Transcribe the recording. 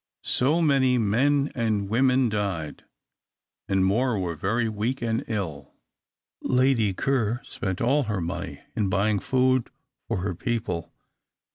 So many men and women died, and more were very weak and ill. Lady Ker spent all her money in buying food for her people.